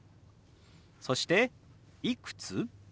そして「いくつ？」。